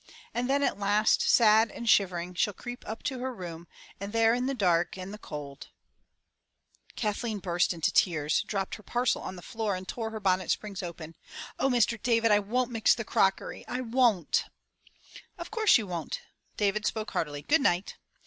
And then at last, sad and shivering, she'll creep up to her room, and there in the dark and the cold —" Kathleen burst into tears, dropped her parcel on the floor and tore her bonnet strings open. "Oh, Mr. David, I won't mix the crockery. I won't!" "Of course you won't," David spoke heartily. "Good night!"